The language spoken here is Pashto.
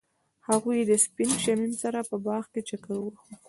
هغوی د سپین شمیم سره په باغ کې چکر وواهه.